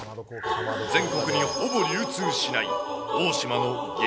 全国にほぼ流通しない、大島の激